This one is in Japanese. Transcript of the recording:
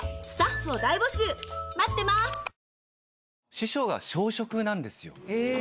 師匠が小食なんですよ。